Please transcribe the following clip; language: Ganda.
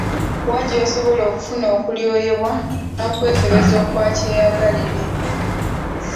Wa gy’osobola okufuna okulyoyebwa n’okwekebeza okwa kyeyagalire?